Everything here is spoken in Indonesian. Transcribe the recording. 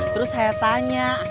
terus saya tanya